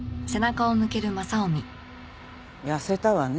痩せたわね。